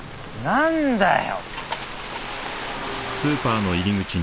何だよ。